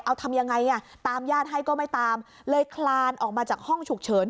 เอาทำยังไงอ่ะตามญาติให้ก็ไม่ตามเลยคลานออกมาจากห้องฉุกเฉิน